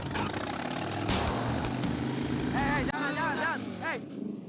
jangan jangan jangan